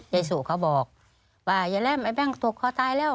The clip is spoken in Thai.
เยซูเค้าบอกว่าเย้แรมไอ้เบ้งโตคอตายแล้ว